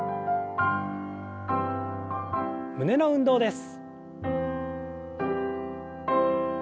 胸の運動です。